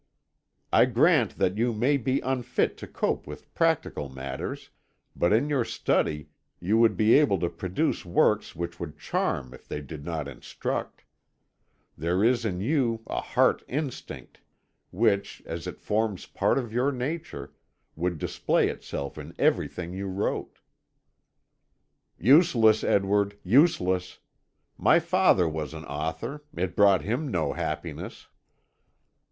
I grant that you may be unfit to cope with practical matters, but in your study you would be able to produce works which would charm if they did not instruct. There is in you a heart instinct which, as it forms part of your nature, would display itself in everything you wrote." "Useless, Edward, useless! My father was an author; it brought him no happiness."